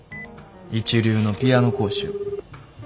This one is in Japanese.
一流のピアノ講師を。